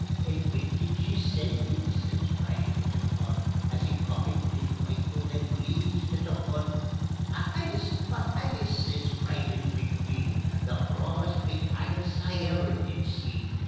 "And whit did she send ye?" says Private McPhun, As he cockit his rifle and bleezed at a Hun. "A haggis! A HAGGIS!" says Private McPhee; "The brawest big haggis I ever did see.